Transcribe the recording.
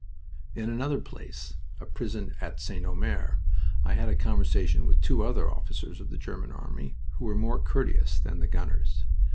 In another place a prison in St. Omer I had a conversation with two other officers of the German army who were more courteous than the gunners.